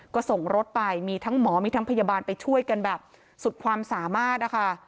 ก็ส่งรถไปมีทั้งหมอมีทั้งพยาบาลไปช่วยกันแบบสุดความสามารถนะคะ